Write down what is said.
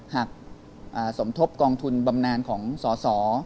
หักสมทบกองทุนบำนานของสส